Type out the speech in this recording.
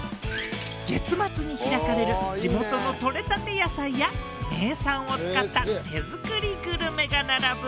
月末に開かれる地元の取れたて野菜や名産を使った手作りグルメが並ぶマルシェ。